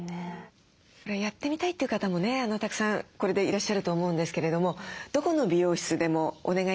やってみたいという方もねたくさんいらっしゃると思うんですけれどもどこの美容室でもお願いできるものですか？